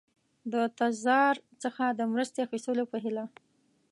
د تزار څخه د مرستې اخیستلو په هیله.